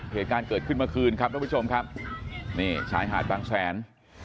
เหตุการณ์เกิดขึ้นเมื่อคืนครับทุกผู้ชมครับนี่ชายหาดบางแสน